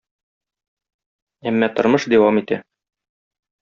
Әмма тормыш дәвам итә.